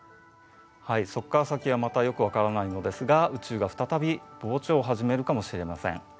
はいそこから先はまたよく分からないのですが宇宙が再び膨張をはじめるかもしれません。